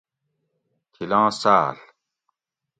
تھِلاں ساۤل